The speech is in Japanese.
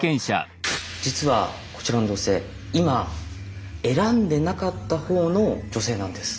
実はこちらの女性今選んでなかったほうの女性なんです。